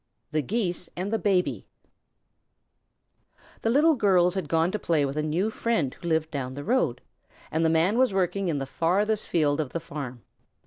THE GEESE AND THE BABY The Little Girls had gone to play with a new friend who lived down the road, and the Man was working in the farthest field of the farm.